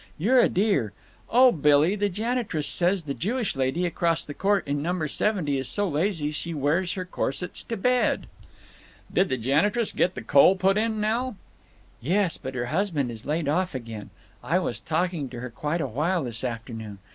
You're a dear! Oh, Billy, the janitress says the Jewish lady across the court in number seventy is so lazy she wears her corsets to bed!" "Did the janitress get the coal put in, Nell?" "Yes, but her husband is laid off again. I was talking to her quite a while this afternoon….